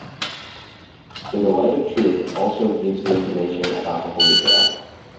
"In the Light of Truth" also gives information about the Holy Grail.